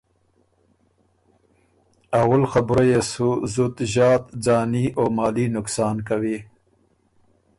اول خبُره يې سُو زُت ݫات ځاني او مالي نقصان کوی،